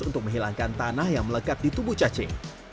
untuk menghilangkan tanah yang melekat di tubuh cacing